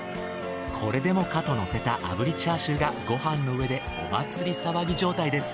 これでもかとのせた炙りチャーシューがご飯の上でお祭り騒ぎ状態です。